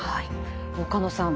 岡野さん